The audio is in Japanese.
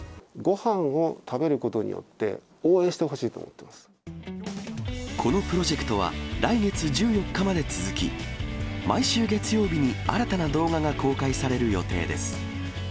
ごはんを食べることによって、このプロジェクトは、来月１４日まで続き、毎週月曜日に新たな動画が公開される予定です。